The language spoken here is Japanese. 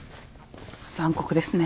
残酷ですね。